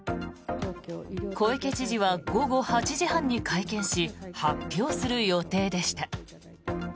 小池知事は午後８時半に会見し発表する予定でした。